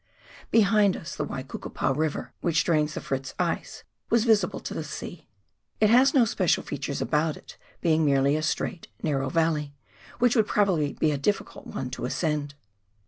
Behind us the Waikukupa River, which drains the Fritz ice, was visible to the sea ; it has no special features about it, being merely a straight, narrow valley, which would probably be a difficult one to ascend.